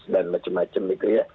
dan macam macam itu ya